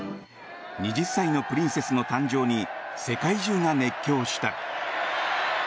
２０歳のプリンセスの誕生に世界中が熱狂した。